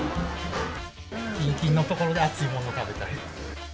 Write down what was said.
きんきんの所で熱いもの食べたい。